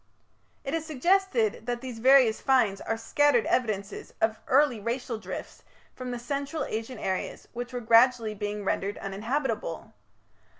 It is suggested that these various finds are scattered evidences of early racial drifts from the Central Asian areas which were gradually being rendered uninhabitable.